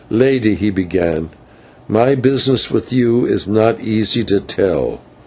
"Lady," he began, "my business with you is not easy to tell.